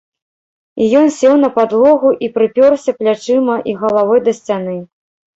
І ён сеў на падлогу і прыпёрся плячыма і галавой да сцяны.